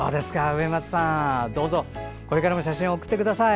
上松さん、どうぞこれからも写真を送ってください。